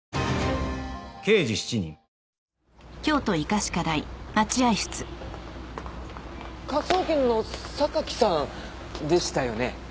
科捜研の榊さんでしたよね？